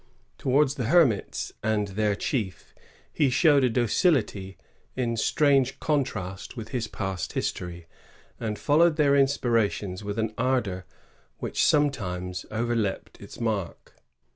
Towards the hermits and their chief he showed a docility in strange contrast with his past history, and followed I«R^59.] A MILITARY ZEALOT. 206 their inspiiatioiis with an ardor which sometimes overleaped its mark.